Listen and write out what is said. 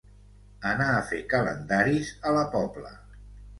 Anar a fer calendaris a la Pobla.